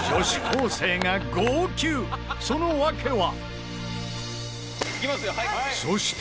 その訳は？